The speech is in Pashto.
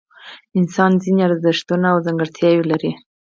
انسان ځینې ارزښتونه او ځانګړتیاوې لري.